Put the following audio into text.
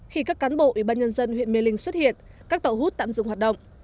khi các cán bộ ủy ban nhân dân huyện mê linh xuất hiện các tàu hút tạm dừng hoạt động